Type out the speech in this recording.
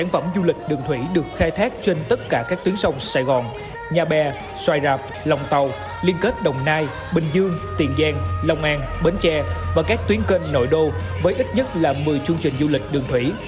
tổng du lịch đường thủy được khai thác trên tất cả các tuyến sông sài gòn nhà bè xoài rạp lòng tàu liên kết đồng nai bình dương tiền giang lòng an bến tre và các tuyến kênh nội đô với ít nhất là một mươi chương trình du lịch đường thủy